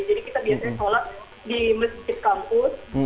jadi kita biasanya sholat di masjid kampus